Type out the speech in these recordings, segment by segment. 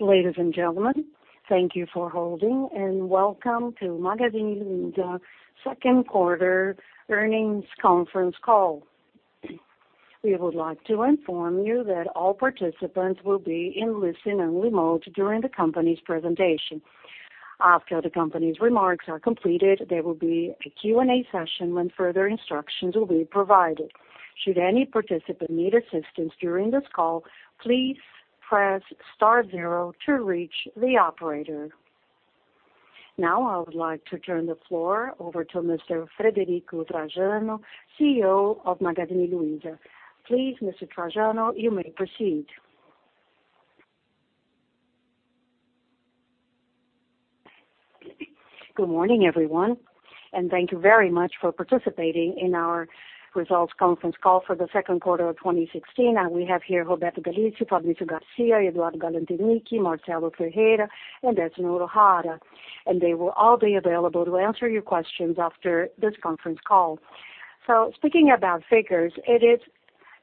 Ladies and gentlemen, thank you for holding. Welcome to Magazine Luiza second quarter earnings conference call. We would like to inform you that all participants will be in listen-only mode during the company's presentation. After the company's remarks are completed, there will be a Q&A session when further instructions will be provided. Should any participant need assistance during this call, please press star zero to reach the operator. Now I would like to turn the floor over to Mr. Frederico Trajano, CEO of Magazine Luiza. Please, Mr. Trajano, you may proceed. Good morning, everyone, and thank you very much for participating in our results conference call for the second quarter of 2016. We have here Roberto Galicia, Fabrício Garcia, Eduardo Galanternick, Marcelo Ferreira, and Edison Pujada. They will all be available to answer your questions after this conference call. Speaking about figures,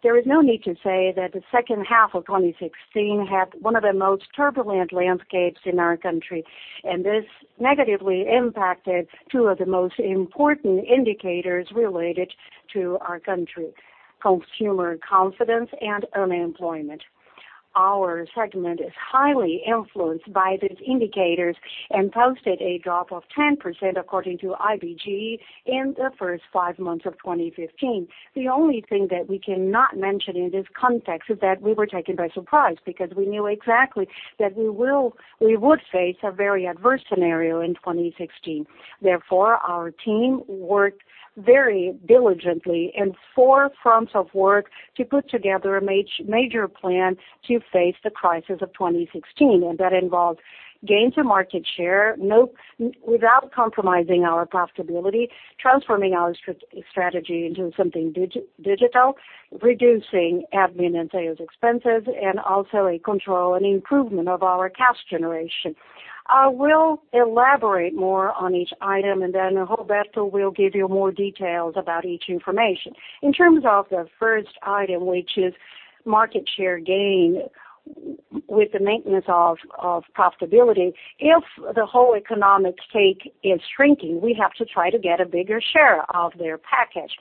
there is no need to say that the second half of 2016 had one of the most turbulent landscapes in our country, and this negatively impacted two of the most important indicators related to our country: consumer confidence and unemployment. Our segment is highly influenced by these indicators and posted a drop of 10% according to IBGE in the first five months of 2015. The only thing that we cannot mention in this context is that we were taken by surprise because we knew exactly that we would face a very adverse scenario in 2016. Our team worked very diligently in four forms of work to put together a major plan to face the crisis of 2016. That involved gains in market share without compromising our profitability, transforming our strategy into something digital, reducing admin and sales expenses, and also a control and improvement of our cash generation. I will elaborate more on each item, and then Roberto will give you more details about each information. In terms of the first item, which is market share gain with the maintenance of profitability, if the whole economic cake is shrinking, we have to try to get a bigger share of their package.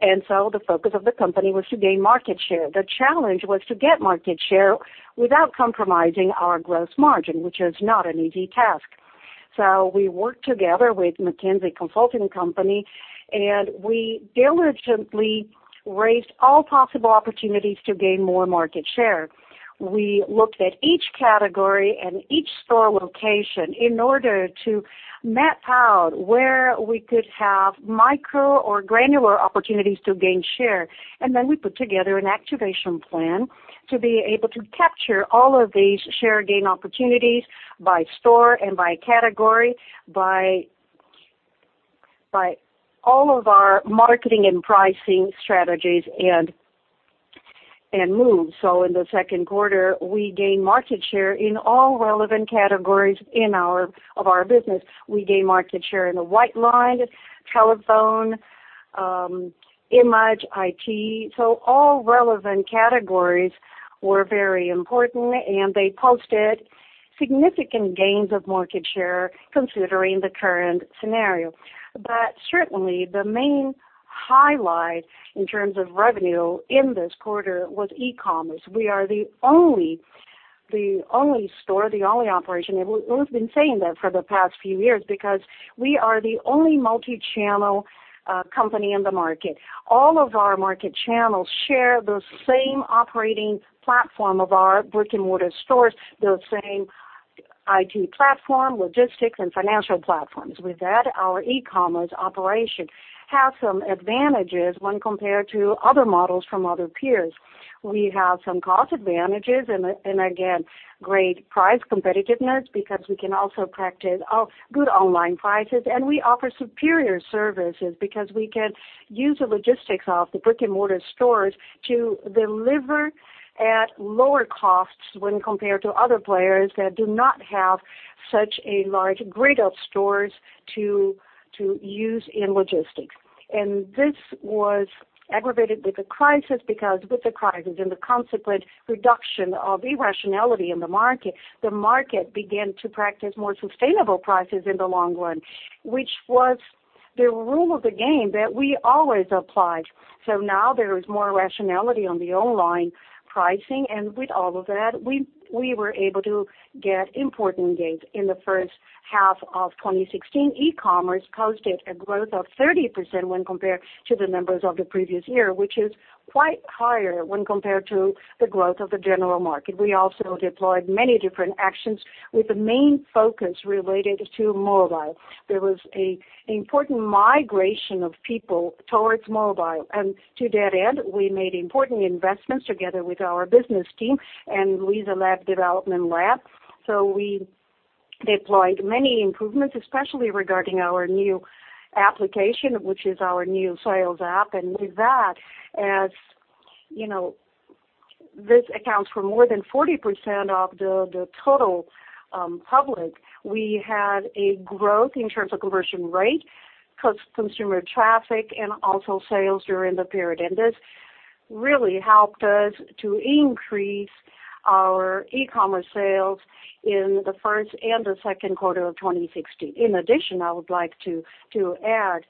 The focus of the company was to gain market share. The challenge was to get market share without compromising our gross margin, which is not an easy task. We worked together with McKinsey consulting company, and we diligently raised all possible opportunities to gain more market share. We looked at each category and each store location in order to map out where we could have micro or granular opportunities to gain share. Then we put together an activation plan to be able to capture all of these share gain opportunities by store and by category, by all of our marketing and pricing strategies and moves. In the second quarter, we gained market share in all relevant categories of our business. We gained market share in the white line, telephone, image, IT. All relevant categories were very important, and they posted significant gains of market share considering the current scenario. Certainly, the main highlight in terms of revenue in this quarter was e-commerce. We are the only store, the only operation, and we've been saying that for the past few years because we are the only multi-channel company in the market. All of our market channels share the same operating platform of our brick-and-mortar stores, the same IT platform, logistics, and financial platforms. With that, our e-commerce operation has some advantages when compared to other models from other peers. We have some cost advantages and again, great price competitiveness because we can also practice good online prices, and we offer superior services because we can use the logistics of the brick-and-mortar stores to deliver at lower costs when compared to other players that do not have such a large grid of stores to use in logistics. This was aggravated with the crisis, because with the crisis and the consequent reduction of irrationality in the market, the market began to practice more sustainable prices in the long run, which was the rule of the game that we always applied. Now there is more rationality on the online pricing, and with all of that, we were able to get important gains. In the first half of 2016, e-commerce posted a growth of 30% when compared to the numbers of the previous year, which is quite higher when compared to the growth of the general market. We also deployed many different actions with the main focus related to mobile. There was an important migration of people towards mobile. To that end, we made important investments together with our business team and Luiza Labs development lab. We deployed many improvements, especially regarding our new application, which is our new sales app. With that, as this accounts for more than 40% of the total public. We had a growth in terms of conversion rate, consumer traffic, and also sales during the period. This really helped us to increase our e-commerce sales in the first and the second quarter of 2016. In addition, I would like to add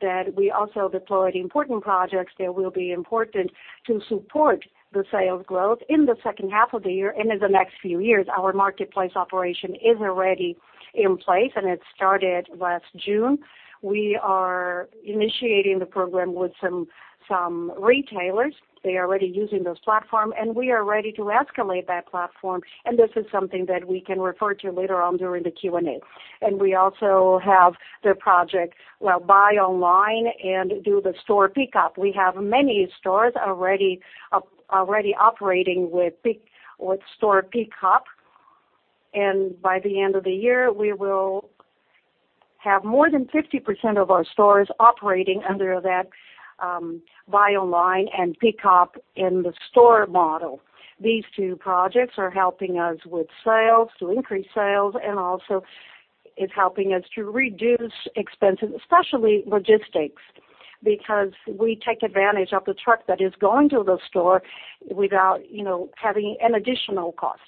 that we also deployed important projects that will be important to support the sales growth in the second half of the year and in the next few years. Our marketplace operation is already in place, and it started last June. We are initiating the program with some retailers. They are already using this platform, and we are ready to escalate that platform. This is something that we can refer to later on during the Q&A. We also have the project, buy online and do the store pickup. We have many stores already operating with store pickup. By the end of the year, we will have more than 50% of our stores operating under that, buy online and pickup in the store model. These two projects are helping us with sales, to increase sales, and also it's helping us to reduce expenses, especially logistics, because we take advantage of the truck that is going to the store without having an additional cost.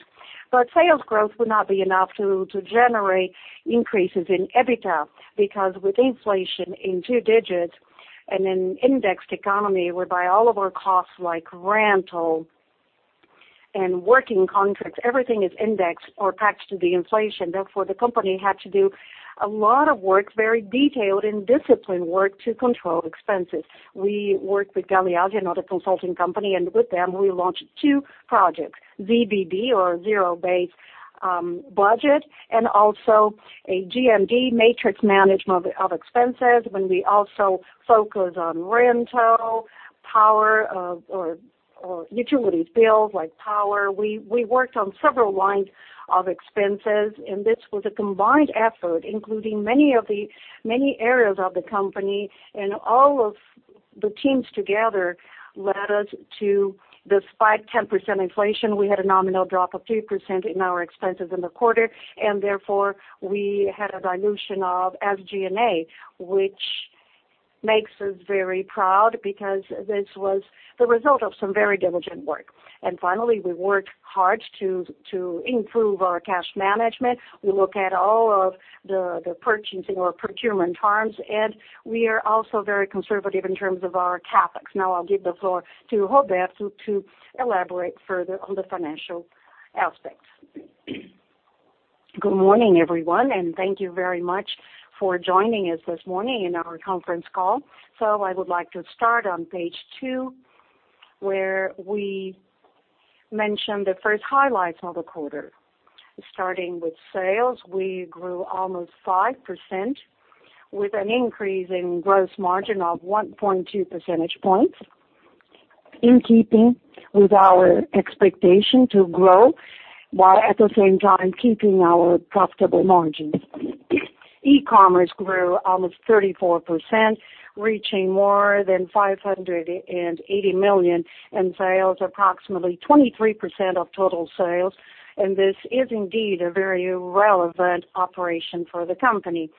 Sales growth would not be enough to generate increases in EBITDA, because with inflation in two digits and an indexed economy whereby all of our costs like rental and working contracts, everything is indexed or patched to the inflation. Therefore, the company had to do a lot of work, very detailed and disciplined work, to control expenses. We worked with Galeazzi & Associados, another consulting company, and with them, we launched two projects, ZBB or zero-based budget, and also a GMD matrix management of expenses. When we also focus on rental, power or utilities bills like power, we worked on several lines of expenses. This was a combined effort, including many areas of the company. All of the teams together led us to, despite 10% inflation, we had a nominal drop of 3% in our expenses in the quarter. Therefore, we had a dilution of SG&A, which makes us very proud because this was the result of some very diligent work. Finally, we worked hard to improve our cash management. We look at all of the purchasing or procurement terms, and we are also very conservative in terms of our CapEx. Now I'll give the floor to Roberto to elaborate further on the financial aspects. Good morning, everyone. Thank you very much for joining us this morning in our conference call. I would like to start on page two, where we mention the first highlights of the quarter. Starting with sales, we grew 5%, with an increase in gross margin of 1.2 percentage points, in keeping with our expectation to grow while at the same time keeping our profitable margins. E-commerce grew 34%, reaching more than 580 million in sales, 23% of total sales. This is indeed a very relevant operation for the company.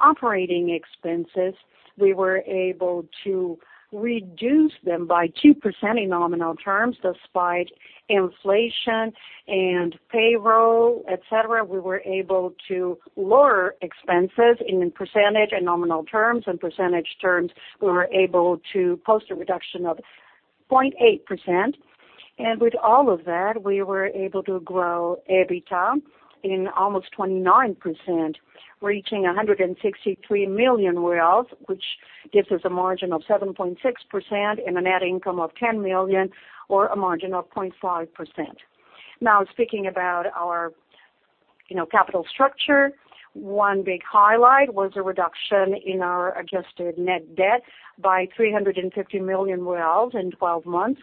Operating expenses, we were able to reduce them by 2% in nominal terms. Despite inflation and payroll, et cetera, we were able to lower expenses in percentage and nominal terms. In percentage terms, we were able to post a reduction of 0.8%. With all of that, we were able to grow EBITDA in 29%, reaching BRL 163 million, which gives us a margin of 7.6% and a net income of 10 million or a margin of 0.5%. Now, speaking about our capital structure, one big highlight was a reduction in our adjusted net debt by BRL 350 million in 12 months.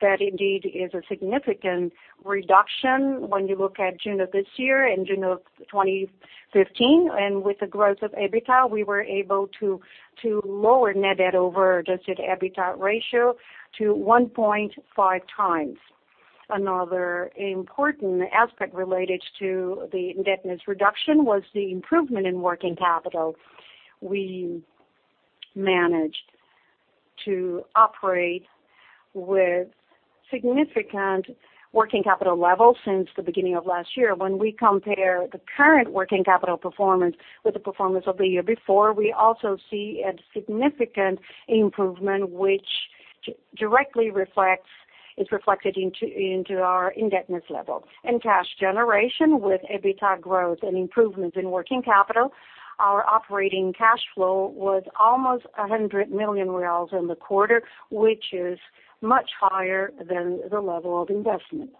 That indeed is a significant reduction when you look at June of this year and June of 2015. With the growth of EBITDA, we were able to lower net debt over adjusted EBITDA ratio to 1.5 times. Another important aspect related to the indebtedness reduction was the improvement in working capital. We managed to operate with significant working capital levels since the beginning of last year. When we compare the current working capital performance with the performance of the year before, we also see a significant improvement, which directly is reflected into our indebtedness level. In cash generation, with EBITDA growth and improvements in working capital, our operating cash flow was 100 million reais in the quarter, which is much higher than the level of investment.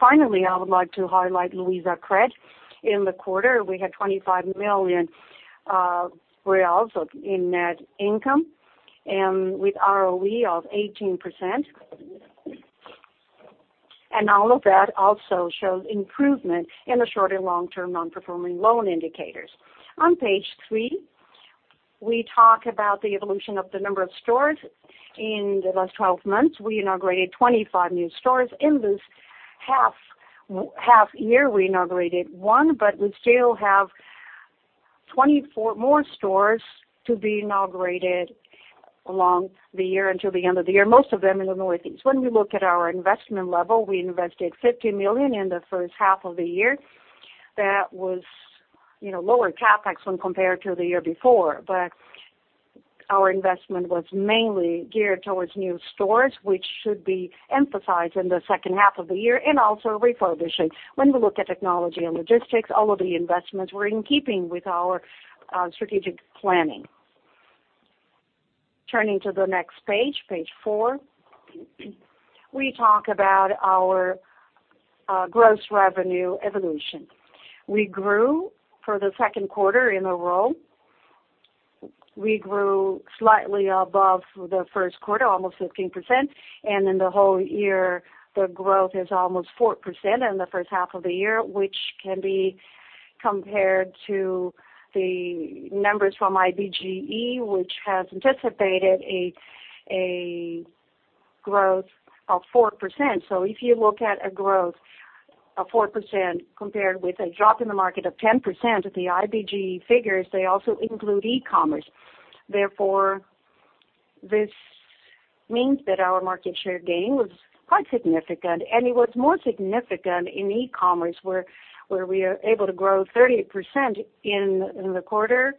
Finally, I would like to highlight Luizacred. In the quarter, we had 25 million reais in net income and with ROE of 18%. All of that also shows improvement in the short and long-term non-performing loan indicators. On page three, we talk about the evolution of the number of stores. In the last 12 months, we inaugurated 25 new stores. In this half year, we inaugurated one, but we still have 24 more stores to be inaugurated along the year until the end of the year, most of them in the Northeast. When we look at our investment level, we invested 50 million in the first half of the year. That was lower CapEx when compared to the year before. Our investment was mainly geared towards new stores, which should be emphasized in the second half of the year, and also refurbishing. When we look at technology and logistics, all of the investments were in keeping with our strategic planning. Turning to the next page four, we talk about our gross revenue evolution. We grew for the second quarter in a row. We grew slightly above the first quarter, almost 15%, and in the whole year, the growth is almost 4% in the first half of the year, which can be compared to the numbers from IBGE, which has anticipated a growth of 4%. If you look at a growth of 4% compared with a drop in the market of 10% of the IBGE figures, they also include e-commerce. Therefore, this means that our market share gain was quite significant, and it was more significant in e-commerce, where we are able to grow 30% in the quarter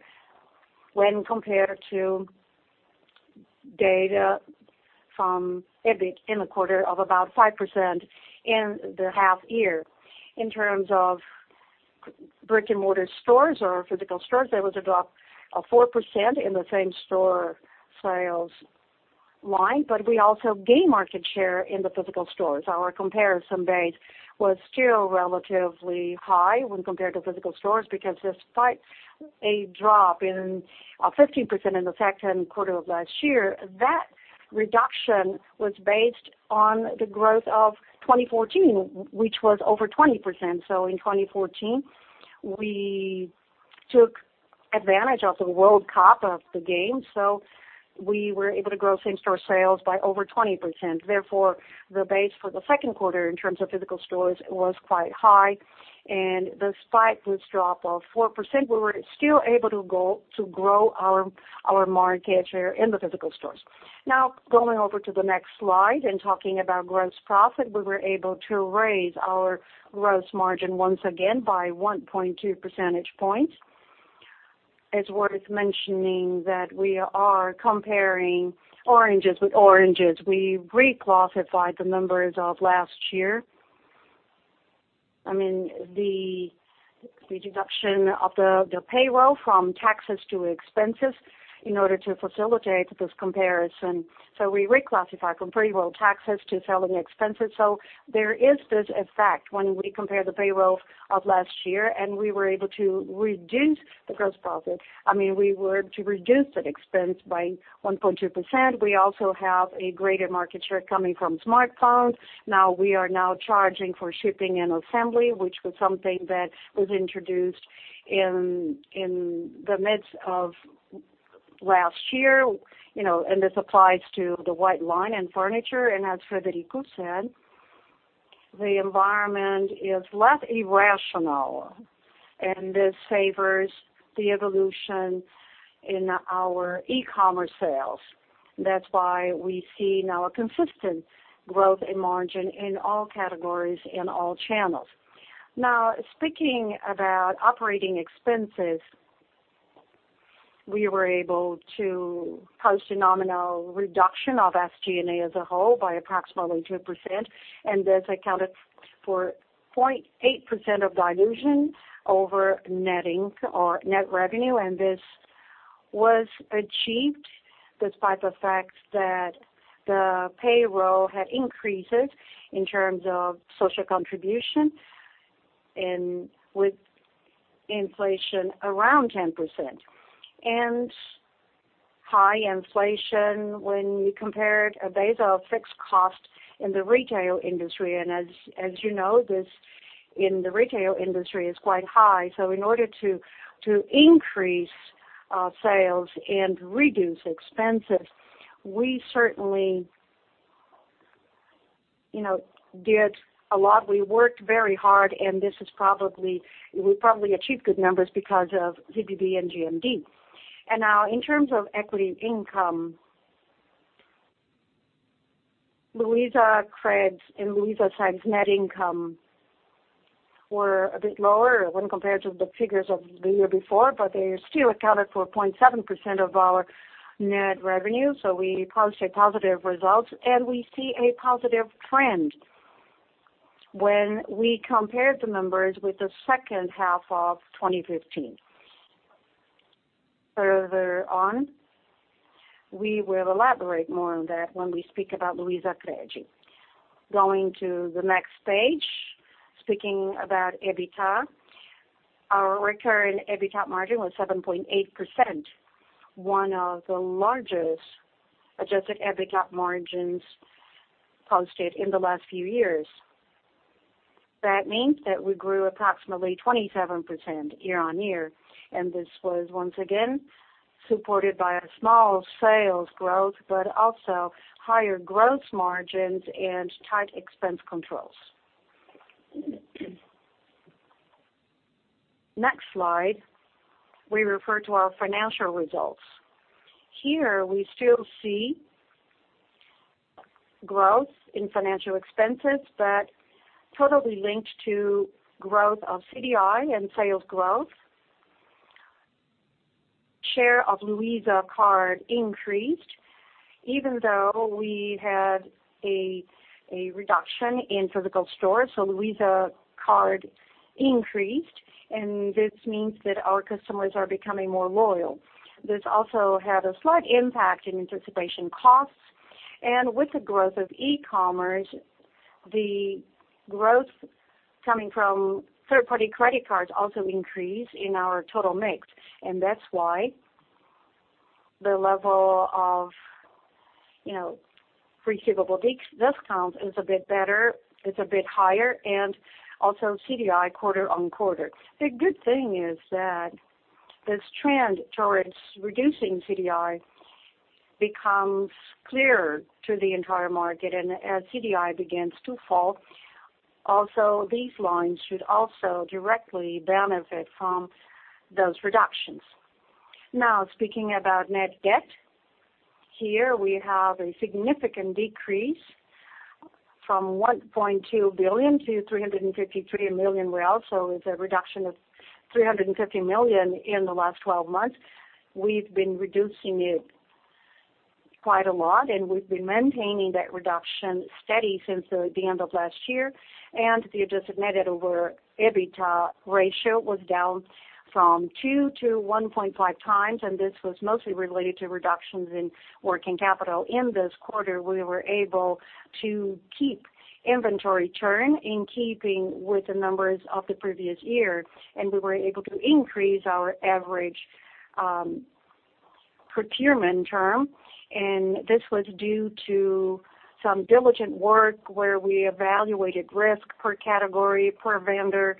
when compared to data from E-Bit in the quarter of about 5% in the half year. In terms of brick-and-mortar stores or physical stores, there was a drop of 4% in the same-store sales line, but we also gained market share in the physical stores. Our comparison base was still relatively high when compared to physical stores because despite a drop in 15% in the second quarter of last year, that reduction was based on the growth of 2014, which was over 20%. In 2014, we took advantage of the World Cup of the game. We were able to grow same-store sales by over 20%. Therefore, the base for the second quarter in terms of physical stores was quite high, and despite this drop of 4%, we were still able to grow our market share in the physical stores. Now, going over to the next slide and talking about gross profit, we were able to raise our gross margin once again by 1.2 percentage points. It's worth mentioning that we are comparing oranges with oranges. We reclassified the numbers of last year. I mean, the reduction of the payroll from taxes to expenses in order to facilitate this comparison. We reclassify from payroll taxes to selling expenses. There is this effect when we compare the payroll of last year, and we were able to reduce the gross profit. I mean, we were to reduce that expense by 1.2%. We also have a greater market share coming from smartphones. Now we are now charging for shipping and assembly, which was something that was introduced in the midst of last year, and this applies to the white line and furniture. As Frederico said, the environment is less irrational, and this favors the evolution in our e-commerce sales. That's why we see now a consistent growth in margin in all categories, in all channels. Speaking about operating expenses, we were able to post a nominal reduction of SG&A as a whole by approximately 2%, this accounted for 0.8% of dilution over net revenue, this was achieved despite the fact that the payroll had increased in terms of social contribution and with inflation around 10%. High inflation, when you compare a base of fixed cost in the retail industry, as you know, this in the retail industry is quite high. In order to increase sales and reduce expenses, we certainly did a lot. We worked very hard, and we probably achieved good numbers because of ZBB and GMD. In terms of equity income, Luizacred and LuizaSeg net income were a bit lower when compared to the figures of the year before, but they still accounted for 0.7% of our net revenue. We post a positive result, we see a positive trend when we compare the numbers with the second half of 2015. Further on, we will elaborate more on that when we speak about Luizacred. Going to the next page, speaking about EBITDA. Our recurring EBITDA margin was 7.8%, one of the largest adjusted EBITDA margins posted in the last few years. That means that we grew approximately 27% year-on-year, this was once again supported by a small sales growth, also higher gross margins and tight expense controls. Next slide, we refer to our financial results. Here, we still see growth in financial expenses, but totally linked to growth of CDI and sales growth. Share of Luiza Card increased even though we had a reduction in physical stores. Luiza Card increased, this means that our customers are becoming more loyal. This also had a slight impact in anticipation costs. With the growth of e-commerce, the growth coming from third-party credit cards also increased in our total mix, that's why the level of receivable discounts is a bit better, it's a bit higher, also CDI quarter-on-quarter. The good thing is that this trend towards reducing CDI becomes clearer to the entire market. As CDI begins to fall, also these lines should also directly benefit from those reductions. Speaking about net debt, here we have a significant decrease from 1.2 billion to 353 million. It's a reduction of 350 million in the last 12 months. We've been reducing it quite a lot, we've been maintaining that reduction steady since the end of last year. The adjusted net over EBITDA ratio was down from 2 to 1.5 times, this was mostly related to reductions in working capital. In this quarter, we were able to keep inventory turn in keeping with the numbers of the previous year, we were able to increase our average procurement term, this was due to some diligent work where we evaluated risk per category, per vendor,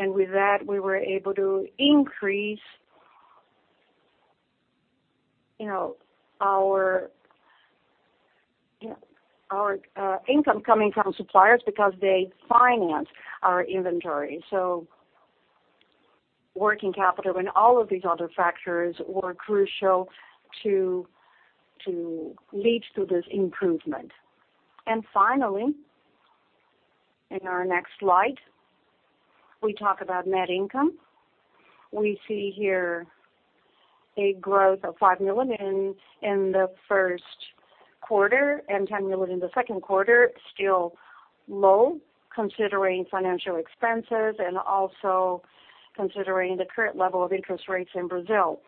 with that, we were able to increase our income coming from suppliers because they finance our inventory. Working capital and all of these other factors were crucial to lead to this improvement. Finally, in our next slide, we talk about net income. We see here a growth of 5 million in the first quarter and 10 million in the second quarter. Still low considering financial expenses and also considering the current level of interest rates in Brazil.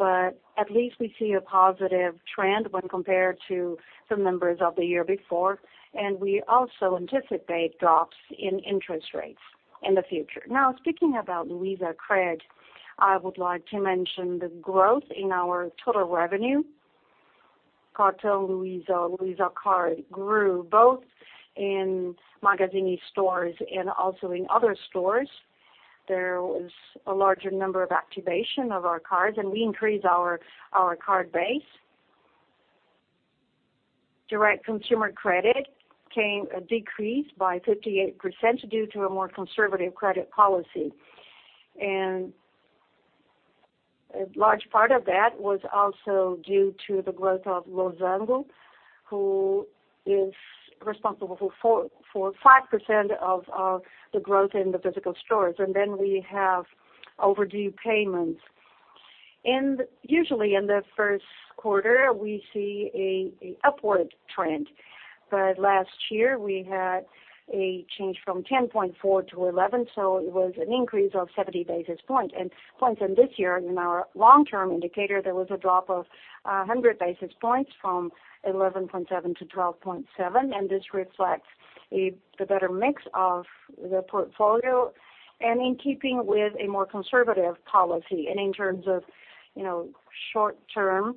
At least we see a positive trend when compared to the numbers of the year before, we also anticipate drops in interest rates in the future. Speaking about Luizacred, I would like to mention the growth in our total revenue. Cartão Luiza Card grew both in Magazine stores and also in other stores. There was a larger number of activation of our cards, and we increased our card base. Direct consumer credit decreased by 58% due to a more conservative credit policy. A large part of that was also due to the growth of [Lozango], who is responsible for 5% of the growth in the physical stores. Then we have overdue payments. Usually in the first quarter, we see an upward trend. Last year we had a change from 10.4% to 11%, so it was an increase of 70 basis points. This year, in our long-term indicator, there was a drop of 100 basis points from 11.7% to 12.7%, this reflects the better mix of the portfolio and in keeping with a more conservative policy. In terms of short-term,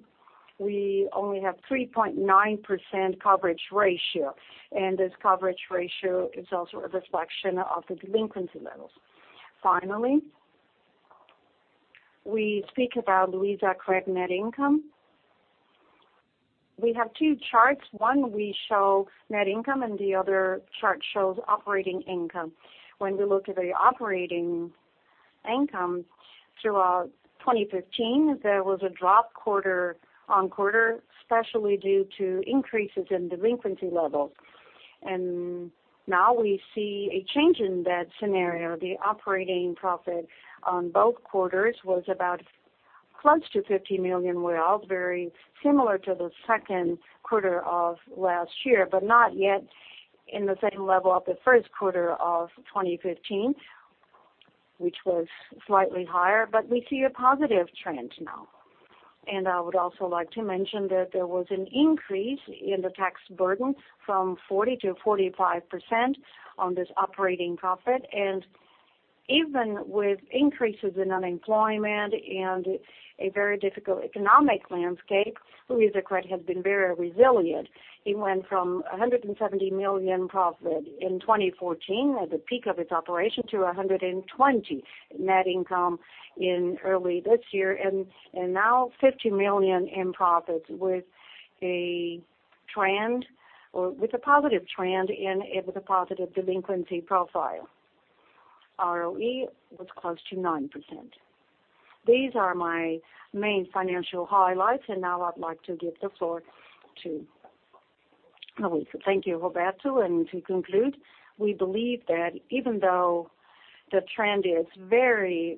we only have 3.9% coverage ratio, this coverage ratio is also a reflection of the delinquency levels. Finally, we speak about Luizacred net income. We have two charts. One we show net income and the other chart shows operating income. When we look at the operating income throughout 2015, there was a drop quarter-on-quarter, especially due to increases in delinquency levels. Now we see a change in that scenario. The operating profit on both quarters was about close to 50 million, very similar to the second quarter of last year, but not yet in the same level of the first quarter of 2015, which was slightly higher, but we see a positive trend now. I would also like to mention that there was an increase in the tax burden from 40% to 45% on this operating profit. Even with increases in unemployment and a very difficult economic landscape, Luizacred has been very resilient. It went from 170 million profit in 2014, at the peak of its operation, to 120 net income early this year, and now 50 million in profits with a positive trend and with a positive delinquency profile. ROE was close to 9%. These are my main financial highlights, now I'd like to give the floor to Luiza. Thank you, Roberto. To conclude, we believe that even though the trend is very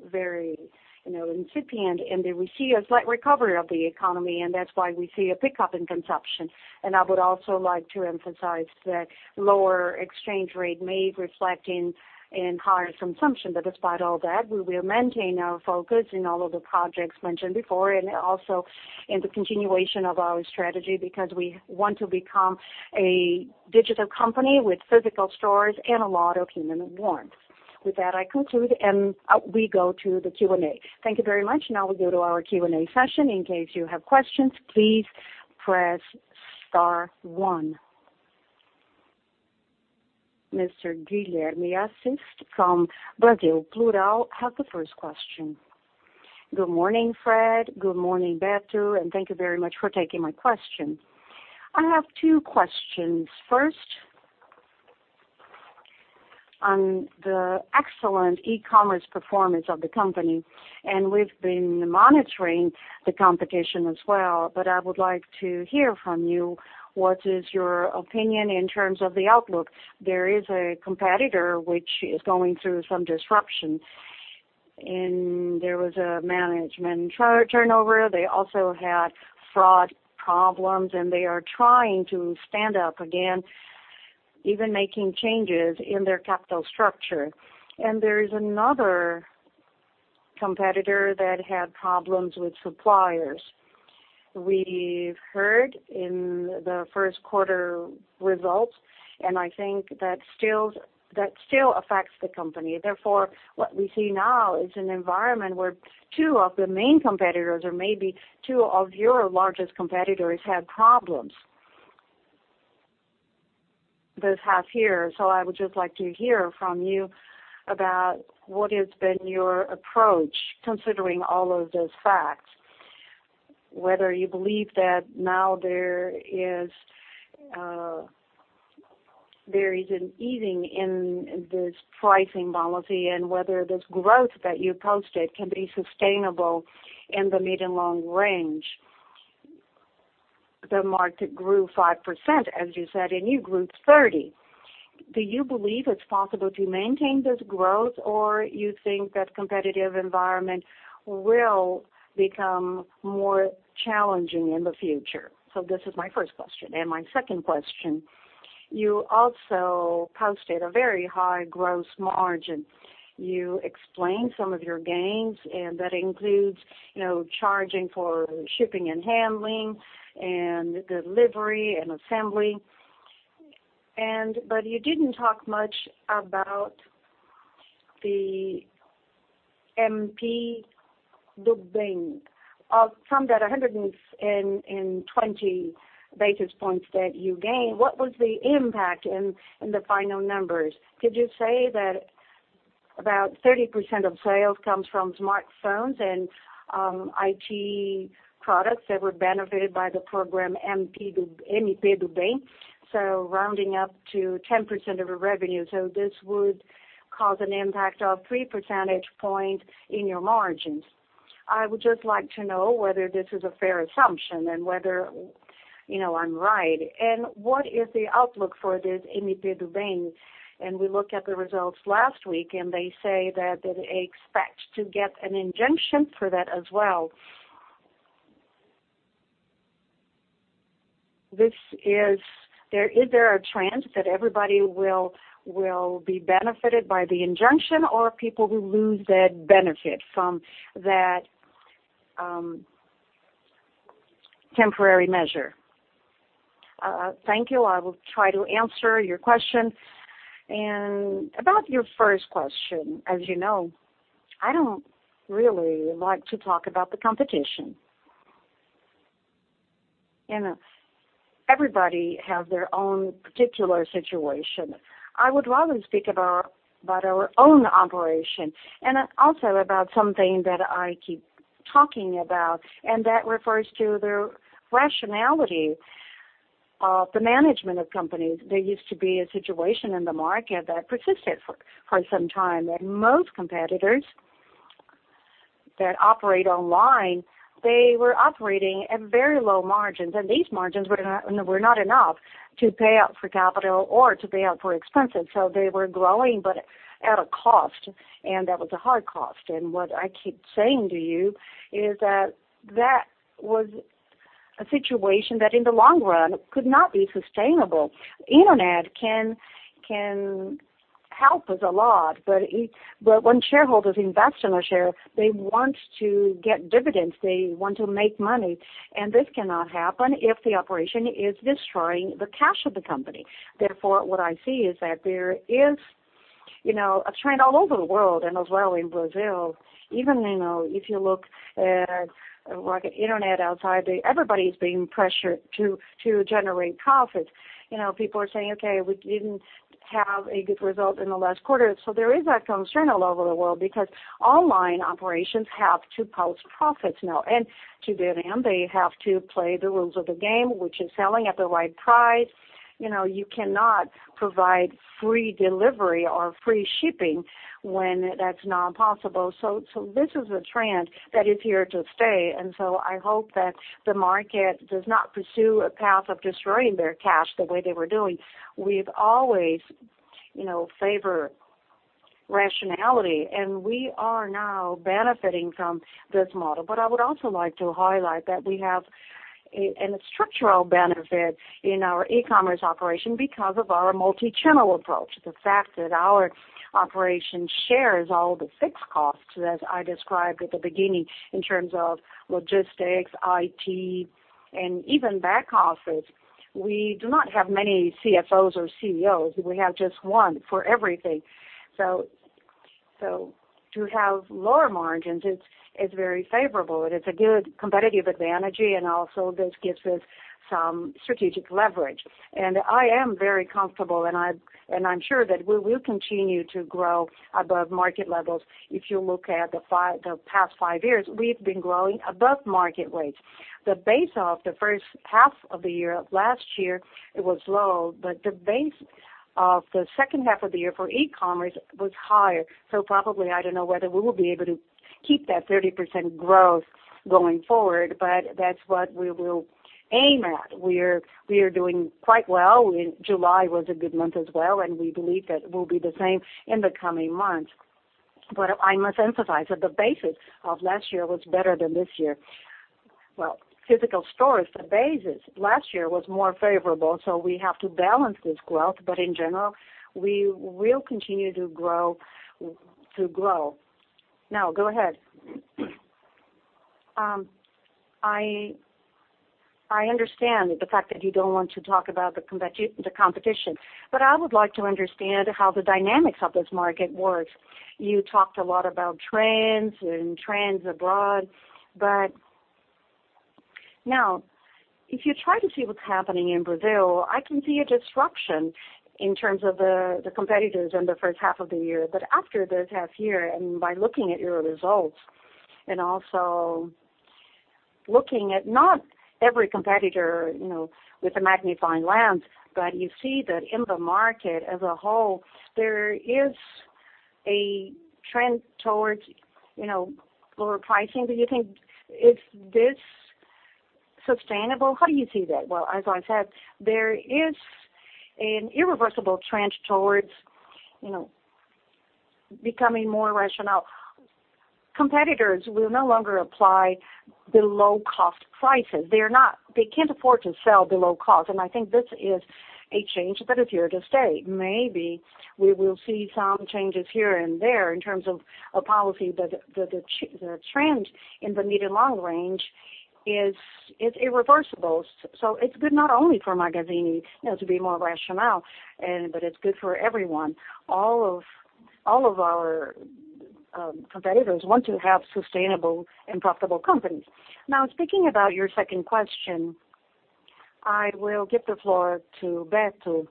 incipient, we see a slight recovery of the economy, that's why we see a pickup in consumption. I would also like to emphasize that lower exchange rate may reflect in higher consumption. Despite all that, we will maintain our focus in all of the projects mentioned before, also in the continuation of our strategy because we want to become a digital company with physical stores and a lot of human warmth. With that, I conclude, and we go to the Q&A. Thank you very much. We go to our Q&A session. In case you have questions, please press star one. Mr. Guilherme Assis from Brasil Plural has the first question. Good morning, Fred. Good morning, Berto, thank you very much for taking my question. I have two questions. First, on the excellent e-commerce performance of the company, and we've been monitoring the competition as well. I would like to hear from you, what is your opinion in terms of the outlook? There is a competitor which is going through some disruption, and there was a management turnover. They also had fraud problems, and they are trying to stand up again, even making changes in their capital structure. There is another competitor that had problems with suppliers. We've heard in the first quarter results, and I think that still affects the company. Therefore, what we see now is an environment where two of the main competitors or maybe two of your largest competitors had problems this half year. I would just like to hear from you about what has been your approach considering all of those facts, whether you believe that now there is an easing in this pricing policy and whether this growth that you posted can be sustainable in the mid and long range. The market grew 5%, as you said, and you grew 30%. Do you believe it's possible to maintain this growth, or you think that competitive environment will become more challenging in the future? This is my first question. My second question, you also posted a very high gross margin. You explained some of your gains, and that includes charging for shipping and handling and delivery and assembly. You didn't talk much about the MP do Bem of some that 120 basis points that you gained. What was the impact in the final numbers? Could you say that about 30% of sales comes from smartphones and IT products that were benefited by the program, MP do Bem? Rounding up to 10% of the revenue, this would cause an impact of 3 percentage points in your margins. I would just like to know whether this is a fair assumption and whether I'm right. What is the outlook for this MP do Bem? We looked at the results last week, and they say that they expect to get an injunction for that as well. Is there a trend that everybody will be benefited by the injunction, or people will lose that benefit from that temporary measure? Thank you. I will try to answer your question. About your first question, as you know, I don't really like to talk about the competition. Everybody has their own particular situation. I would rather speak about our own operation and also about something that I keep talking about, and that refers to the rationality of the management of companies. There used to be a situation in the market that persisted for some time that most competitors that operate online, they were operating at very low margins, and these margins were not enough to pay out for capital or to pay out for expenses. They were growing, but at a cost, and that was a hard cost. What I keep saying to you is that was a situation that in the long run could not be sustainable. Internet can help us a lot, but when shareholders invest in a share, they want to get dividends, they want to make money, and this cannot happen if the operation is destroying the cash of the company. What I see is that there is a trend all over the world and as well in Brazil, even if you look at the internet outside, everybody's being pressured to generate profits. People are saying, "Okay, we didn't have a good result in the last quarter." There is that concern all over the world because online operations have to post profits now. To that end, they have to play the rules of the game, which is selling at the right price. You cannot provide free delivery or free shipping when that's not possible. This is a trend that is here to stay, and so I hope that the market does not pursue a path of destroying their cash the way they were doing. We've always favored rationality, and we are now benefiting from this model. I would also like to highlight that we have a structural benefit in our e-commerce operation because of our multi-channel approach. The fact that our operation shares all the fixed costs, as I described at the beginning, in terms of logistics, IT, and even back office. We do not have many CFOs or CEOs. We have just one for everything. To have lower margins, it's very favorable, and it's a good competitive advantage, and also this gives us some strategic leverage. I am very comfortable, and I'm sure that we will continue to grow above market levels. If you look at the past five years, we've been growing above market rates. The base of the first half of the year of last year, it was low, but the base of the second half of the year for e-commerce was higher. Probably, I don't know whether we will be able to keep that 30% growth going forward, but that's what we will aim at. We are doing quite well. July was a good month as well, and we believe that it will be the same in the coming months. I must emphasize that the basis of last year was better than this year. Physical stores, the base last year was more favorable, so we have to balance this growth, but in general, we will continue to grow. Go ahead. I understand the fact that you don't want to talk about the competition, but I would like to understand how the dynamics of this market work. You talked a lot about trends and trends abroad, but now if you try to see what's happening in Brazil, I can see a disruption in terms of the competitors in the first half of the year. After the half year, and by looking at your results and also looking at not every competitor with a magnifying lens, but you see that in the market as a whole, there is a trend towards lower pricing. Do you think it's this sustainable? How do you see that? As I said, there is an irreversible trend towards becoming more rational. Competitors will no longer apply below-cost prices. They can't afford to sell below cost, and I think this is a change that is here to stay. Maybe we will see some changes here and there in terms of policy, but the trend in the medium long range is irreversible. It's good not only for Magazine to be more rational but it's good for everyone. All of our competitors want to have sustainable and profitable companies. Speaking about your second question, I will give the floor to Beto.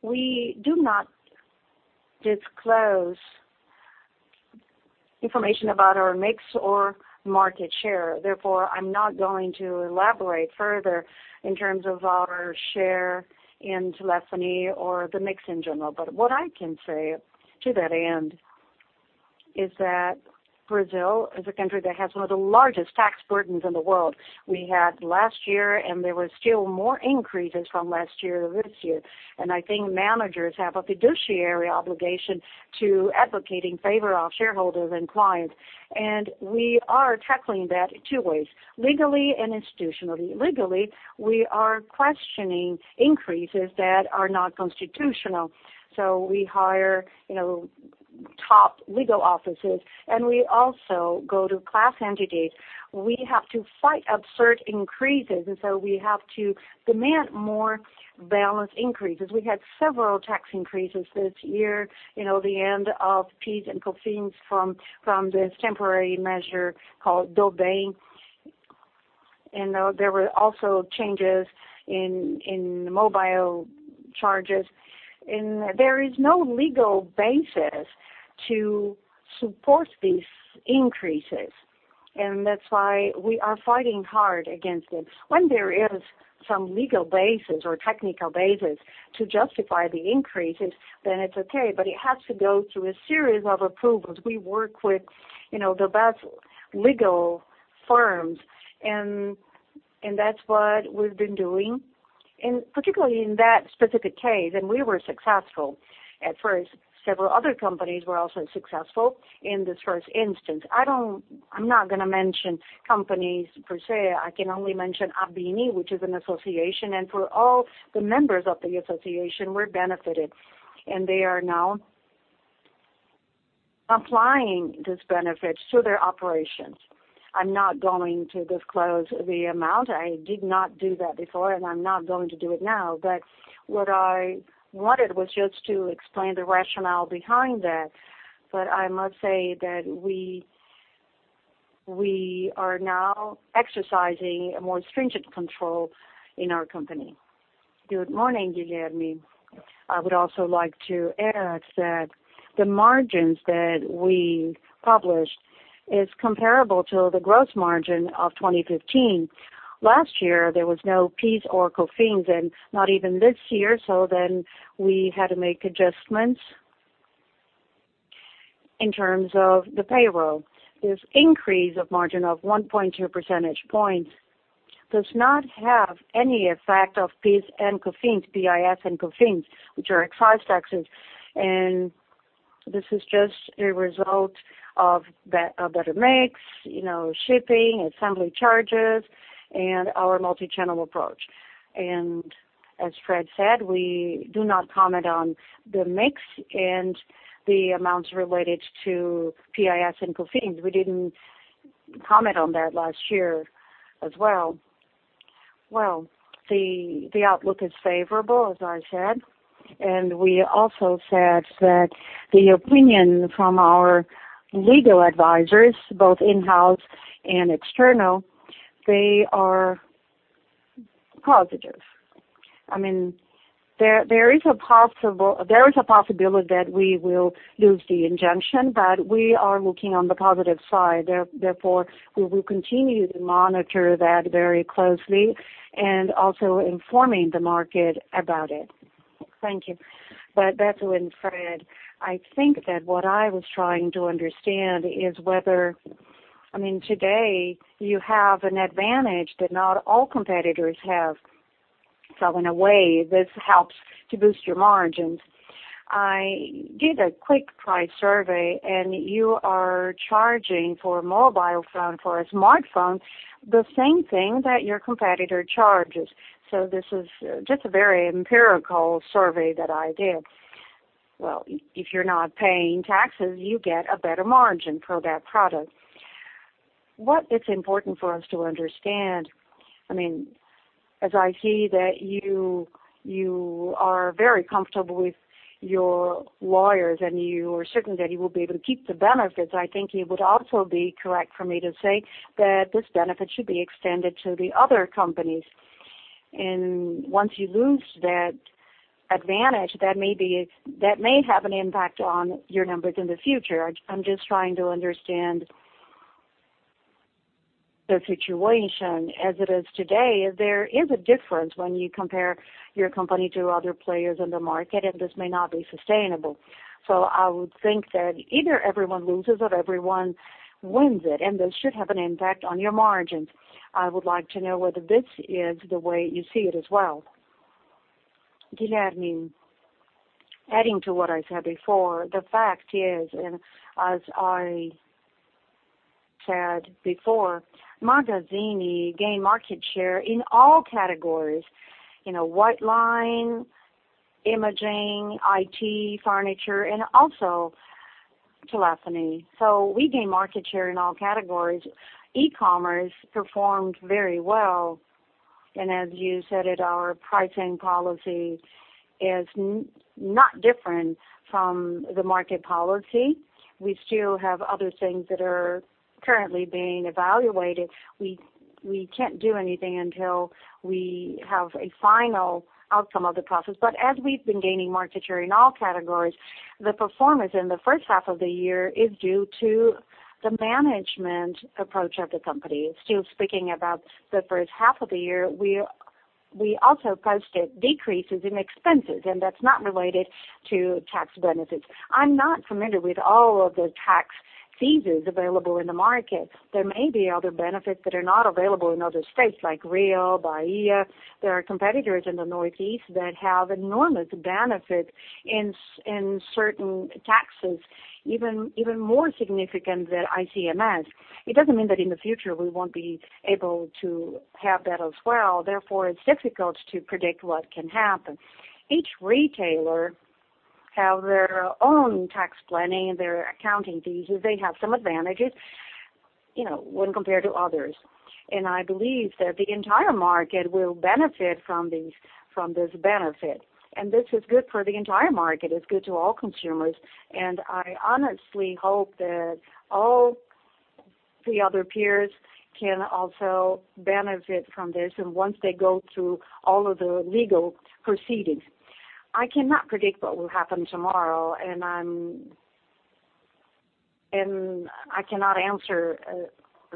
We do not disclose information about our mix or market share. Therefore, I'm not going to elaborate further in terms of our share in telephony or the mix in general. What I can say to that end is that Brazil is a country that has one of the largest tax burdens in the world. We had last year, and there were still more increases from last year to this year, and I think managers have a fiduciary obligation to advocating favor of shareholders and clients. We are tackling that two ways, legally and institutionally. Legally, we are questioning increases that are not constitutional. We hire top legal offices, we also go to class entities. We have to fight absurd increases, we have to demand more balanced increases. We had several tax increases this year, the end of PIS and COFINS from this temporary measure called Lei do Bem. There were also changes in mobile charges. There is no legal basis to support these increases, that's why we are fighting hard against it. When there is some legal basis or technical basis to justify the increases, then it's okay, but it has to go through a series of approvals. We work with the best legal firms. That's what we've been doing. Particularly in that specific case, we were successful at first. Several other companies were also successful in this first instance. I'm not going to mention companies per se. I can only mention Abinee, which is an association, for all the members of the association, we benefited, they are now applying these benefits to their operations. I'm not going to disclose the amount. I did not do that before, I'm not going to do it now. What I wanted was just to explain the rationale behind that. I must say that we are now exercising a more stringent control in our company. Good morning, Guilherme. I would also like to add that the margins that we published is comparable to the gross margin of 2015. Last year, there was no PIS or COFINS, not even this year, we had to make adjustments in terms of the payroll. This increase of margin of 1.2 percentage points does not have any effect of PIS and COFINS, which are excise taxes. This is just a result of better mix, shipping, assembly charges, our multi-channel approach. As Fred said, we do not comment on the mix and the amounts related to PIS and COFINS. We didn't comment on that last year as well. The outlook is favorable, as I said, we also said that the opinion from our legal advisors, both in-house and external, they are positive. There is a possibility that we will lose the injunction, we are looking on the positive side. We will continue to monitor that very closely informing the market about it. Thank you. Berto and Fred, I think that what I was trying to understand is whether today you have an advantage that not all competitors have. In a way, this helps to boost your margins. I did a quick price survey, you are charging for a mobile phone, for a smartphone, the same thing that your competitor charges. This is just a very empirical survey that I did. If you're not paying taxes, you get a better margin for that product. What is important for us to understand, as I see that you are very comfortable with your lawyers and you are certain that you will be able to keep the benefits, I think it would also be correct for me to say that this benefit should be extended to the other companies. Once you lose that advantage, that may have an impact on your numbers in the future. I'm just trying to understand the situation as it is today. There is a difference when you compare your company to other players in the market, this may not be sustainable. I would think that either everyone loses or everyone wins it, this should have an impact on your margins. I would like to know whether this is the way you see it as well. Guilherme, adding to what I said before, the fact is, as I said before, Magazine gained market share in all categories, white line, imaging, IT, furniture, and also telephony. We gain market share in all categories. E-commerce performed very well. As you said it, our pricing policy is not different from the market policy. We still have other things that are currently being evaluated. We can't do anything until we have a final outcome of the process. As we've been gaining market share in all categories, the performance in the first half of the year is due to the management approach of the company. Still speaking about the first half of the year, we also posted decreases in expenses, that's not related to tax benefits. I'm not familiar with all of the tax leases available in the market. There may be other benefits that are not available in other states, like Rio, Bahia. There are competitors in the Northeast that have enormous benefit in certain taxes, even more significant than ICMS. It doesn't mean that in the future we won't be able to have that as well. Therefore, it's difficult to predict what can happen. Each retailer have their own tax planning, their accounting leases. They have some advantages, when compared to others. I believe that the entire market will benefit from this benefit. This is good for the entire market. It's good to all consumers. I honestly hope that all the other peers can also benefit from this, once they go through all of the legal proceedings. I cannot predict what will happen tomorrow, I cannot answer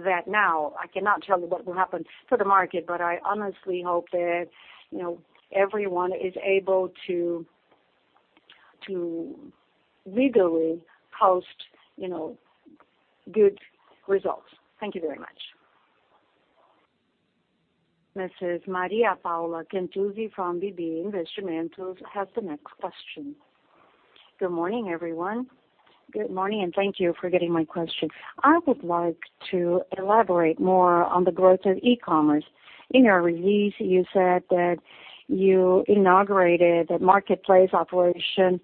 that now. I cannot tell you what will happen to the market, I honestly hope that everyone is able to legally host good results. Thank you very much. Mrs. Maria Paula Cantusio from BB Investimentos has the next question. Good morning, everyone. Good morning, thank you for getting my question. I would like to elaborate more on the growth of e-commerce. In your release, you said that you inaugurated the marketplace operation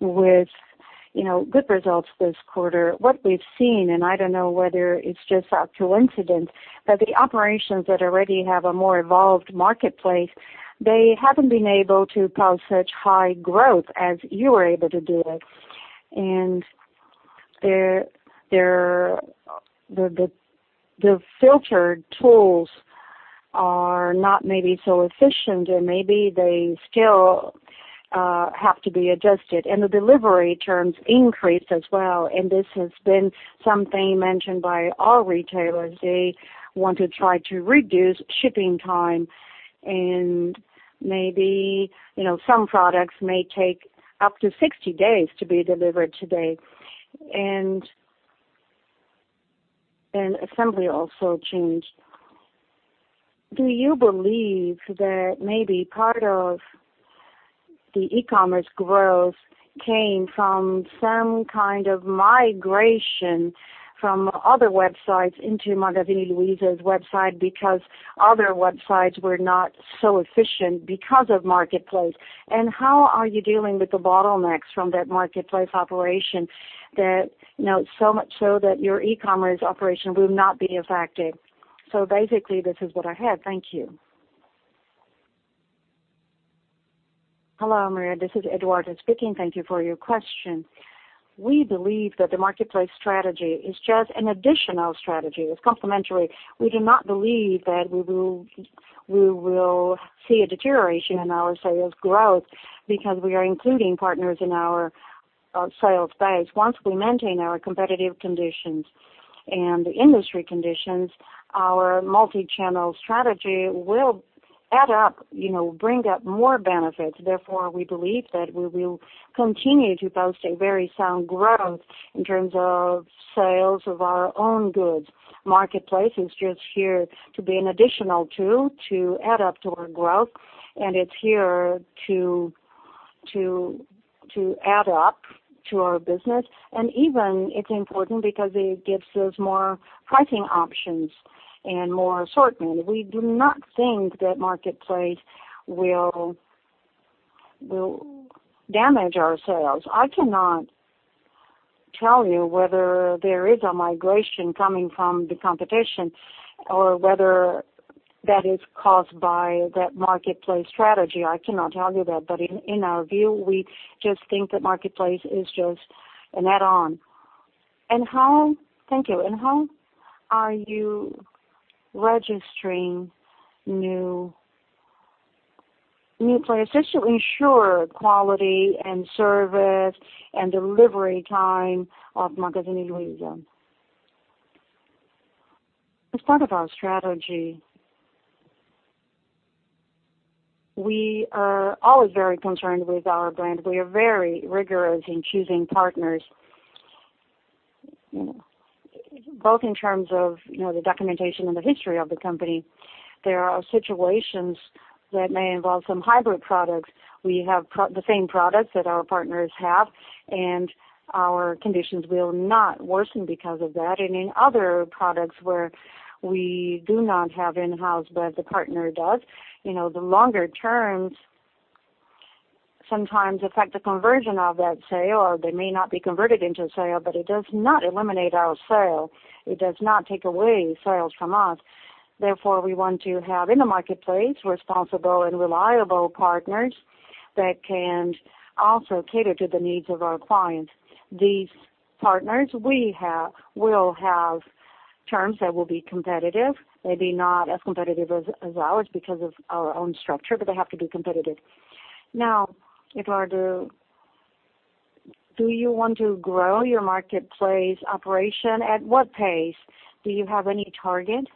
with good results this quarter. What we've seen, I don't know whether it's just a coincidence, the operations that already have a more evolved marketplace, they haven't been able to post such high growth as you were able to do it. The filtered tools are not maybe so efficient, maybe they still have to be adjusted. The delivery terms increased as well, this has been something mentioned by all retailers. They want to try to reduce shipping time, maybe some products may take up to 60 days to be delivered today. Assembly also changed. Do you believe that maybe part of the e-commerce growth came from some kind of migration from other websites into Magazine Luiza's website, because other websites were not so efficient because of marketplace? How are you dealing with the bottlenecks from that marketplace operation that so much so that your e-commerce operation will not be affected? Basically, this is what I had. Thank you. Hello, Maria. This is Eduardo speaking. Thank you for your question. We believe that the marketplace strategy is just an additional strategy. It's complementary. We do not believe that we will see a deterioration in our sales growth because we are including partners in our sales base. Once we maintain our competitive conditions and industry conditions, our multi-channel strategy will add up, bring up more benefits. Therefore, we believe that we will continue to post a very sound growth in terms of sales of our own goods. Marketplace is just here to be an additional tool to add up to our growth, it's here to add up to our business. Even it's important because it gives us more pricing options and more assortment. We do not think that marketplace will damage our sales. I cannot tell you whether there is a migration coming from the competition or whether that is caused by that marketplace strategy. I cannot tell you that. In our view, we just think that marketplace is just an add-on. Thank you. How are you registering new players just to ensure quality and service and delivery time of Magazine Luiza? It's part of our strategy. We are always very concerned with our brand. We are very rigorous in choosing partners, both in terms of the documentation and the history of the company. There are situations that may involve some hybrid products. We have the same products that our partners have, our conditions will not worsen because of that. In other products where we do not have in-house, the partner does, the longer terms sometimes affect the conversion of that sale, or they may not be converted into a sale, it does not eliminate our sale. It does not take away sales from us. Therefore, we want to have in the marketplace responsible and reliable partners that can also cater to the needs of our clients. These partners will have terms that will be competitive, maybe not as competitive as ours because of our own structure, but they have to be competitive. Eduardo, do you want to grow your marketplace operation? At what pace? Do you have any target?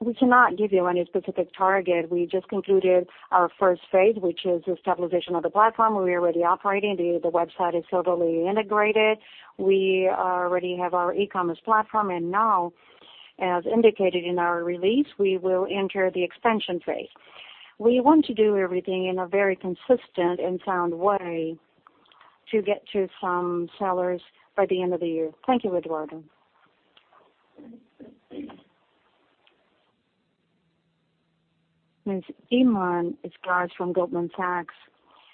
We cannot give you any specific target. We just concluded our first phase, which is the establishment of the platform. We're already operating. The website is totally integrated. We already have our e-commerce platform. Now, as indicated in our release, we will enter the expansion phase. We want to do everything in a very consistent and sound way to get to some sellers by the end of the year. Thank you, Eduardo. Ms. Irma Sgarz from Goldman Sachs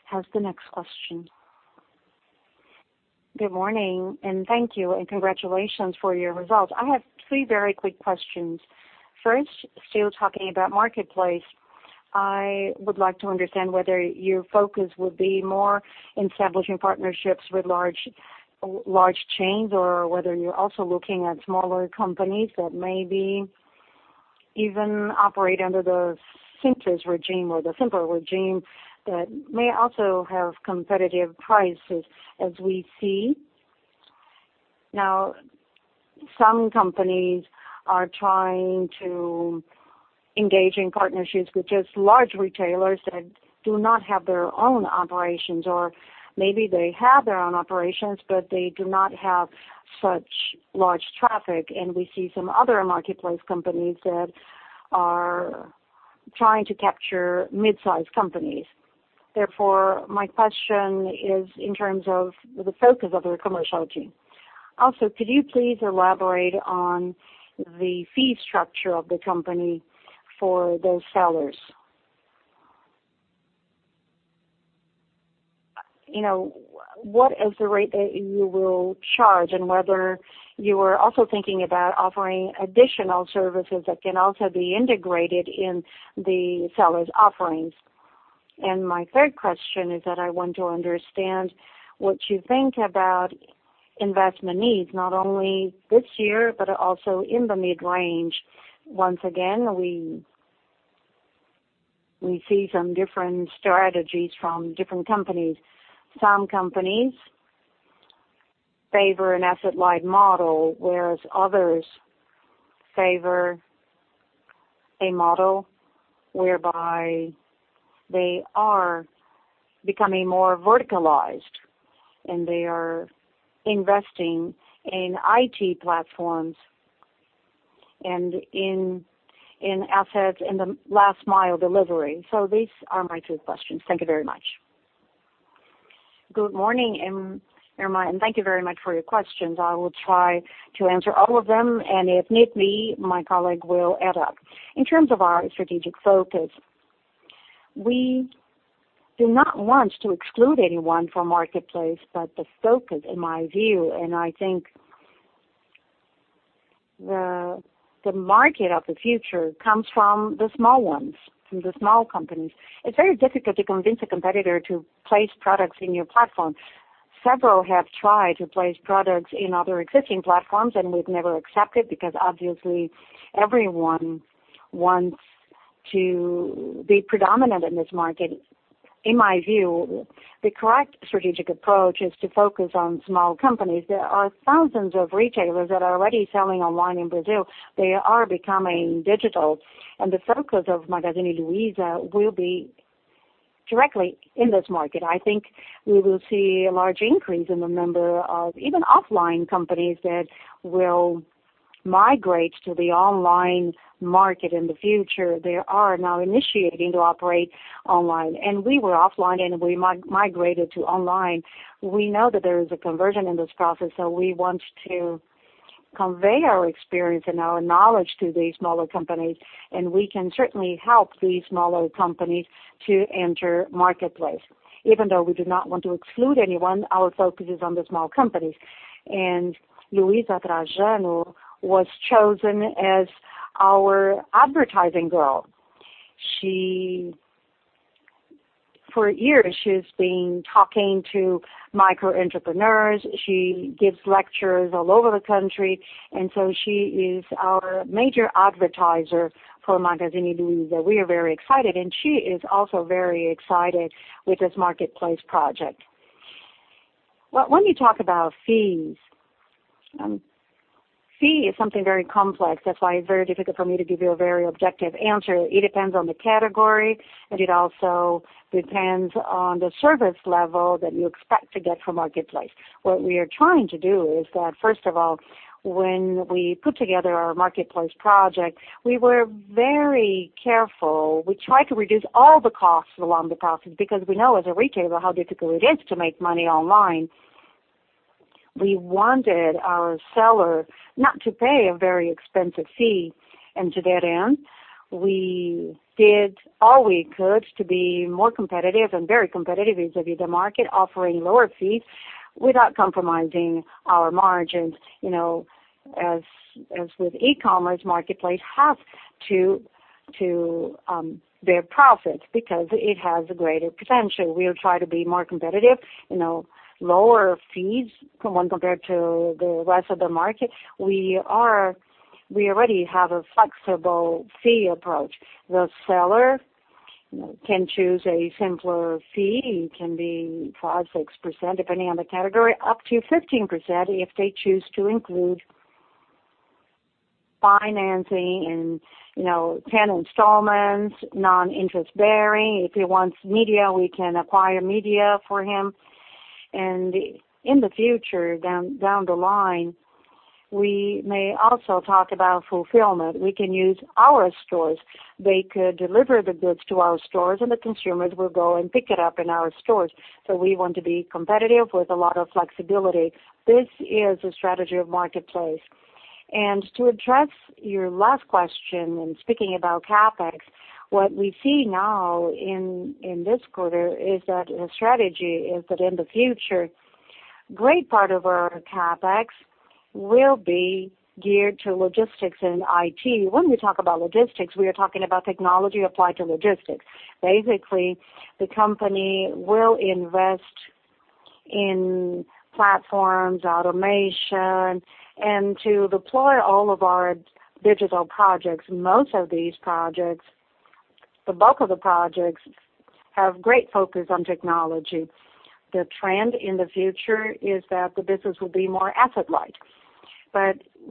has the next question. Good morning. Thank you and congratulations for your results. I have three very quick questions. First, still talking about marketplace, I would like to understand whether your focus would be more in establishing partnerships with large chains or whether you're also looking at smaller companies that maybe even operate under the Simples regime or the simpler regime that may also have competitive prices as we see. Now, some companies are trying to engage in partnerships with just large retailers that do not have their own operations, or maybe they have their own operations, but they do not have such large traffic. We see some other marketplace companies that are trying to capture mid-size companies. My question is in terms of the focus of the commercial team. Could you please elaborate on the fee structure of the company for those sellers? What is the rate that you will charge, whether you are also thinking about offering additional services that can also be integrated in the seller's offerings. My third question is that I want to understand what you think about investment needs, not only this year, but also in the mid-range. Once again, we see some different strategies from different companies. Some companies favor an asset-light model, whereas others favor a model whereby they are becoming more verticalized, and they are investing in IT platforms and in assets in the last mile delivery. These are my three questions. Thank you very much. Good morning, Irma. Thank you very much for your questions. I will try to answer all of them, and if need be, my colleague will add up. In terms of our strategic focus, we do not want to exclude anyone from Marketplace. The focus, in my view, I think the market of the future comes from the small ones, from the small companies. It's very difficult to convince a competitor to place products in your platform. Several have tried to place products in other existing platforms. We've never accepted because obviously everyone wants to be predominant in this market. In my view, the correct strategic approach is to focus on small companies. There are thousands of retailers that are already selling online in Brazil. They are becoming digital. The focus of Magazine Luiza will be directly in this market. I think we will see a large increase in the number of even offline companies that will migrate to the online market in the future. They are now initiating to operate online. We were offline, we migrated to online. We know that there is a conversion in this process, we want to convey our experience and our knowledge to these smaller companies, we can certainly help these smaller companies to enter Marketplace. Even though we do not want to exclude anyone, our focus is on the small companies. Luiza Trajano was chosen as our advertising girl. For years, she's been talking to micro entrepreneurs. She gives lectures all over the country, she is our major advertiser for Magazine Luiza. We are very excited, she is also very excited with this Marketplace project. When you talk about fees, fee is something very complex. That's why it's very difficult for me to give you a very objective answer. It depends on the category, it also depends on the service level that you expect to get from Marketplace. What we are trying to do is that, first of all, when we put together our Marketplace project, we were very careful. We tried to reduce all the costs along the process because we know as a retailer how difficult it is to make money online. We wanted our seller not to pay a very expensive fee. To that end, we did all we could to be more competitive and very competitive vis-à-vis the market, offering lower fees without compromising our margins. As with e-commerce, Marketplace has to bear profit because it has a greater potential. We'll try to be more competitive, lower fees when compared to the rest of the market. We already have a flexible fee approach. The seller can choose a simpler fee. It can be 5%, 6%, depending on the category, up to 15% if they choose to include financing and 10 installments, non-interest bearing. If he wants media, we can acquire media for him. In the future, down the line, we may also talk about fulfillment. We can use our stores. They could deliver the goods to our stores, the consumers will go and pick it up in our stores. We want to be competitive with a lot of flexibility. This is the strategy of Marketplace. To address your last question, when speaking about CapEx, what we see now in this quarter is that the strategy is that in the future, great part of our CapEx will be geared to logistics and IT. When we talk about logistics, we are talking about technology applied to logistics. Basically, the company will invest in platforms, automation, to deploy all of our digital projects. The bulk of the projects have great focus on technology. The trend in the future is that the business will be more asset-light.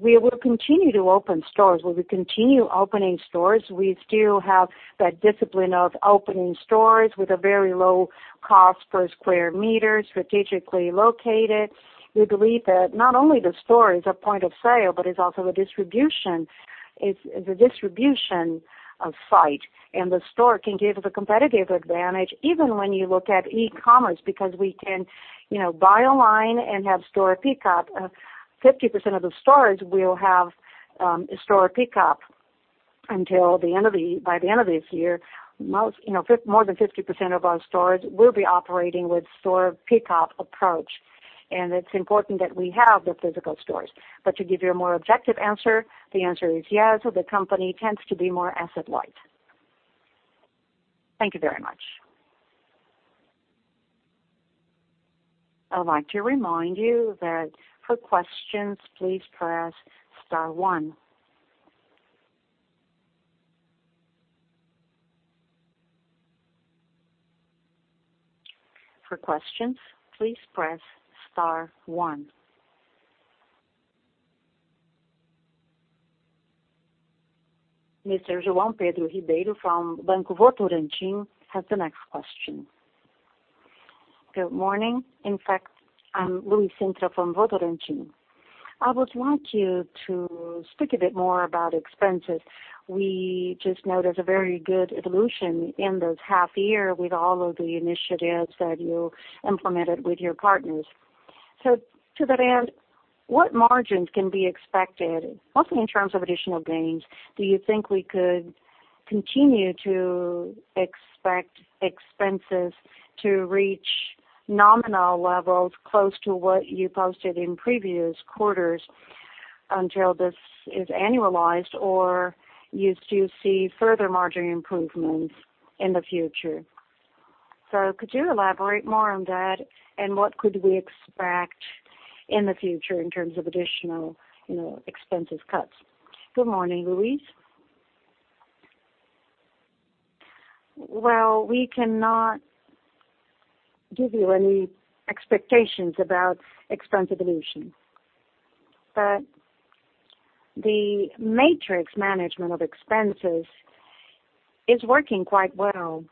We will continue to open stores. When we continue opening stores, we still have that discipline of opening stores with a very low cost per square meter, strategically located. We believe that not only the store is a point of sale, but it's also a distribution site. The store can give us a competitive advantage even when you look at e-commerce, because we can buy online and have store pickup. 50% of the stores will have store pickup by the end of this year. More than 50% of our stores will be operating with store pickup approach. It's important that we have the physical stores. But to give you a more objective answer, the answer is yes, the company tends to be more asset-light. Thank you very much. I would like to remind you that for questions, please press star one. For questions, please press star one. Mr. João Pedro Ribeiro from Banco Votorantim has the next question. Good morning. In fact, I'm Luiz Cintra from Votorantim. I would like you to speak a bit more about expenses. We just know there's a very good evolution in this half year with all of the initiatives that you implemented with your partners. To that end, what margins can be expected, mostly in terms of additional gains? Do you think we could continue to expect expenses to reach nominal levels close to what you posted in previous quarters until this is annualized, or you still see further margin improvements in the future? Could you elaborate more on that and what could we expect in the future in terms of additional expenses cuts? Good morning, Luiz. Well, we cannot give you any expectations about expense evolution. The matrix management of expenses is working quite well.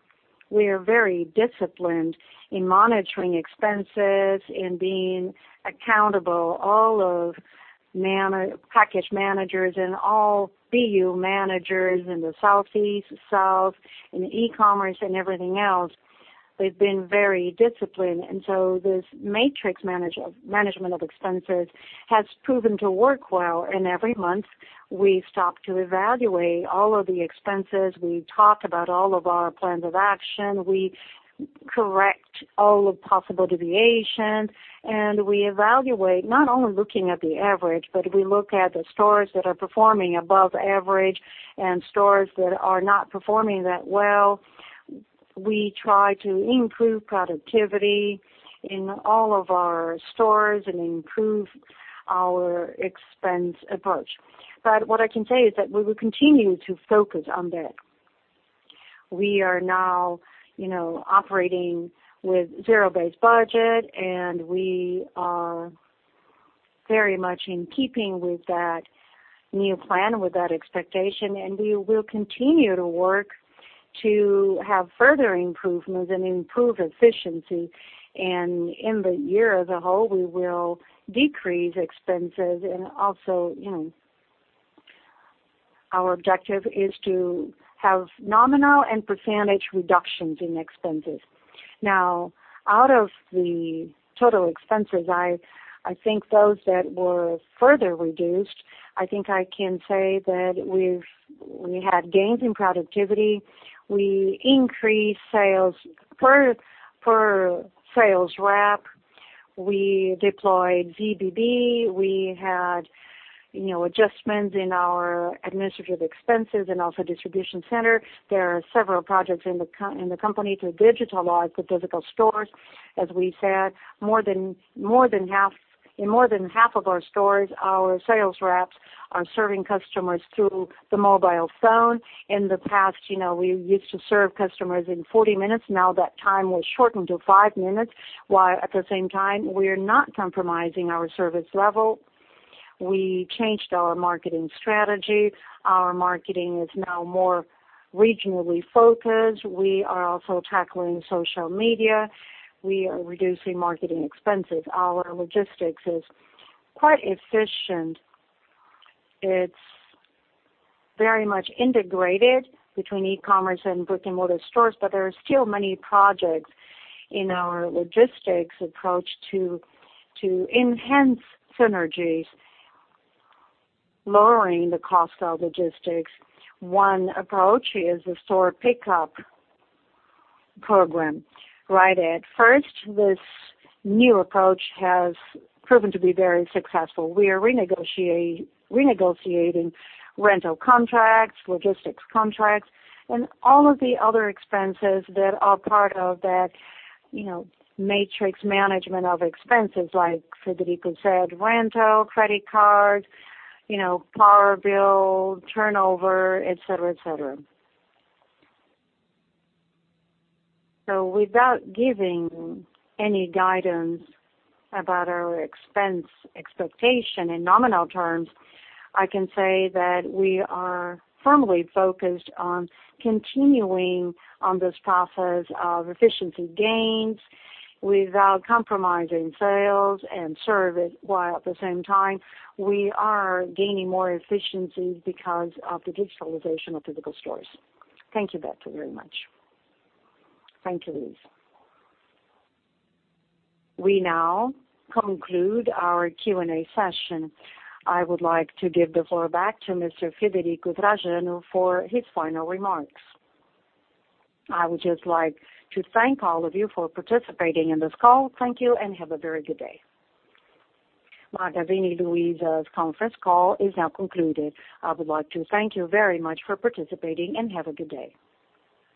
We are very disciplined in monitoring expenses, in being accountable. All of package managers and all BU managers in the Southeast, South, in e-commerce, and everything else, they've been very disciplined. This matrix management of expenses has proven to work well. Every month we stop to evaluate all of the expenses. We talk about all of our plans of action. We correct all the possible deviations, and we evaluate not only looking at the average, but we look at the stores that are performing above average and stores that are not performing that well. We try to improve productivity in all of our stores and improve our expense approach. What I can say is that we will continue to focus on that. We are now operating with zero-based budget, and we are very much in keeping with that new plan, with that expectation, and we will continue to work to have further improvements and improve efficiency. In the year as a whole, we will decrease expenses. Also, our objective is to have nominal and percentage reductions in expenses. Out of the total expenses, I think those that were further reduced, I think I can say that we had gains in productivity. We increased sales per sales rep. We deployed VBD. We had adjustments in our administrative expenses and also distribution center. There are several projects in the company to digitalize the physical stores. As we said, in more than half of our stores, our sales reps are serving customers through the mobile phone. In the past, we used to serve customers in 40 minutes. That time was shortened to five minutes, while at the same time, we're not compromising our service level. We changed our marketing strategy. Our marketing is now more regionally focused. We are also tackling social media. We are reducing marketing expenses. Our logistics is quite efficient. It's very much integrated between e-commerce and brick-and-mortar stores, but there are still many projects in our logistics approach to enhance synergies, lowering the cost of logistics. One approach is the store pickup program. Right at first, this new approach has proven to be very successful. We are renegotiating rental contracts, logistics contracts, and all of the other expenses that are part of that matrix management of expenses like Frederico said, rental, credit card, power bill, turnover, et cetera. Without giving any guidance about our expense expectation in nominal terms, I can say that we are firmly focused on continuing on this process of efficiency gains without compromising sales and service, while at the same time we are gaining more efficiency because of the digitalization of physical stores. Thank you, Beto, very much. Thank you, Luiz. We now conclude our Q&A session. I would like to give the floor back to Mr. Frederico Trajano for his final remarks. I would just like to thank all of you for participating in this call. Thank you and have a very good day. Magazine Luiza's conference call is now concluded. I would like to thank you very much for participating, and have a good day.